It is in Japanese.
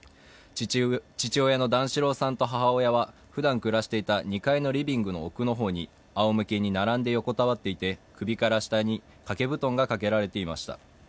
父親の段四郎さんと母親はふだん暮らしていた２階のリビングの奥の方にあおむけになって横たわっており、首から下には掛布団がかけられていました。